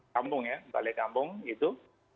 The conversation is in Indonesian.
kampung ya balai kampung gitu